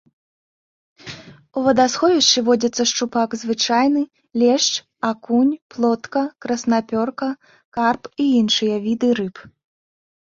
У вадасховішчы водзяцца шчупак звычайны, лешч, акунь, плотка, краснапёрка, карп і іншыя віды рыб.